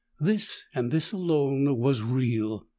This, and this alone, was real.